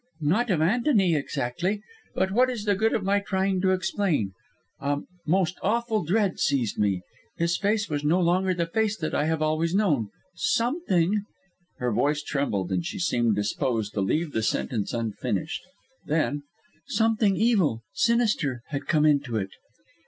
"Not of Antony, exactly. But what is the good of my trying to explain! A most awful dread seized me. His face was no longer the face that I have always known; something " Her voice trembled, and she seemed disposed to leave the sentence unfinished; then: "Something evil sinister, had come into it."